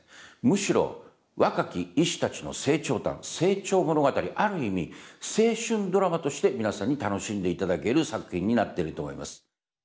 むしろ若き医師たちの成長譚成長物語ある意味青春ドラマとして皆さんに楽しんでいただける作品になってると思います。